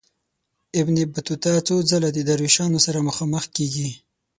ابن بطوطه څو ځله د دروېشانو سره مخامخ کیږي.